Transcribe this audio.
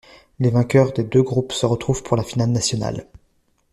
Les vainqueurs des deux groupes se retrouvent pour la finale nationale.